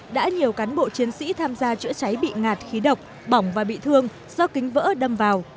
đã nhiều cán bộ chiến sĩ tham gia chữa cháy bị ngạt khí độc bỏng và bị thương do kính vỡ đâm vào